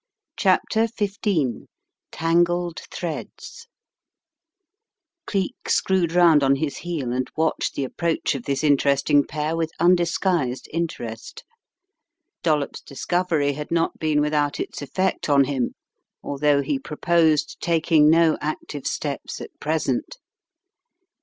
CHAPTER XT TANGLED THREADS CLEEK screwed round on his heel, and watched the approach of this interesting pair with undisguised interest. Dollops' discovery had not been without its effect on him, although he proposed taking no active steps at present.